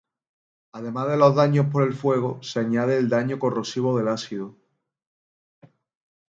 Además de los daños por el fuego, se añade el daño corrosivo del ácido.